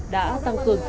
đã tăng cường